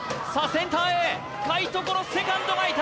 センターへ深いところセカンドがいた！